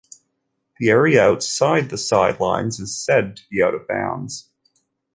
The area outside the sidelines is said to be out of bounds.